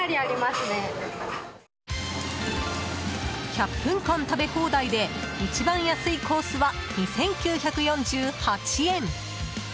１００分間食べ放題で一番安いコースは２９４８円。